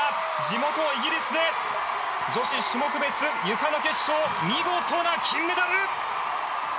地元イギリスで女子種目別ゆかの決勝見事な金メダル！